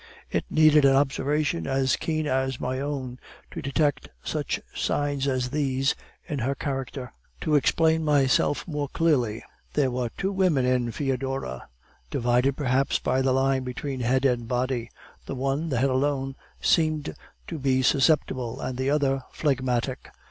It needed an observation as keen as my own to detect such signs as these in her character. To explain myself more clearly; there were two women in Foedora, divided perhaps by the line between head and body: the one, the head alone, seemed to be susceptible, and the other phlegmatic.